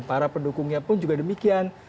para pendukungnya pun juga demikian